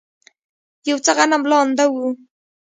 یو څه غنم لانده و.